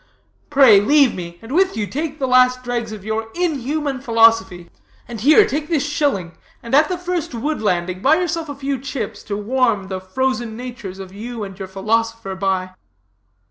Pray, leave me, and with you take the last dregs of your inhuman philosophy. And here, take this shilling, and at the first wood landing buy yourself a few chips to warm the frozen natures of you and your philosopher by."